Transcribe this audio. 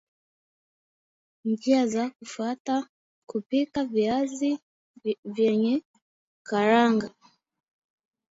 njia za kufuata kupika viazi vyenye karanga